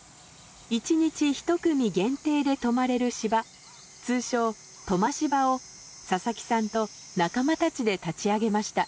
１日１組限定で泊まれる芝通称「トマシバ」を佐々木さんと仲間たちで立ち上げました。